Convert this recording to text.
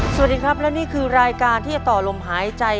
สวัสดีครับและนี่คือรายการที่จะต่อลมหายใจ